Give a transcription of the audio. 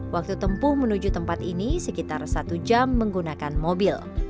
waktu tempuh menuju tempat ini sekitar satu jam menggunakan mobil